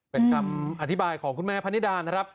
เป็นคำอธิบายของคุณแม่พนิดานะครับ